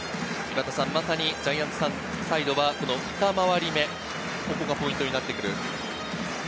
ジャイアンツサイドはふた回り目、ここがポイントになってくる。